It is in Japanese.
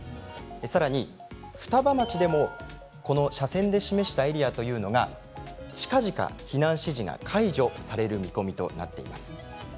さらに双葉町でも斜線で示したエリアというのがちかぢか避難指示が解除される見込みとなっています。